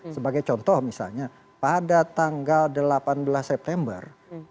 sebagai contoh misalnya pada tanggal delapan belas september dua ribu dua puluh dua